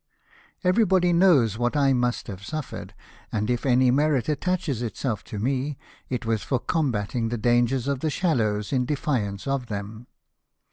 Everybody knows what I must have suffered, and if any merit attaches itself to me, it was for combating the dangers of the shallows in defiance of them."